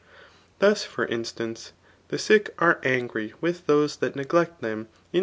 Thus feif instance, tl^ sick are angry whh those that neglect them in